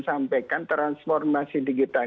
sampaikan transformasi digital